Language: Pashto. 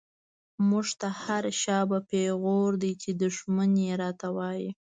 مونږ ته هر “شابه” پیغور دۍ، چی دشمن یی راته وایی